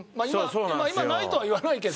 今ないとは言わないけども。